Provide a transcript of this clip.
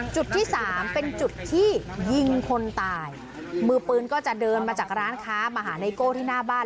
จุดที่สามเป็นจุดที่ยิงคนตายมือปืนก็จะเดินมาจากร้านค้ามาหาไนโก้ที่หน้าบ้าน